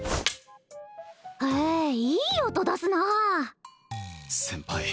へえいい音出すなあ先輩